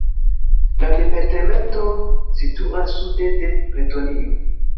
La departemento situas sude de Bretonio.